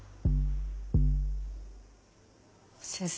先生。